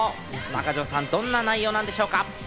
中条さん、どんな内容なんでしょうか？